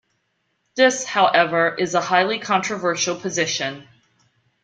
This, however, is a highly controversial position.